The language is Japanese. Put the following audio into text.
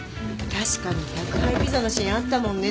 確かに宅配ピザのシーンあったもんね。